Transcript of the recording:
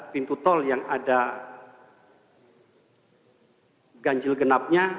pintu tol yang ada ganjil genapnya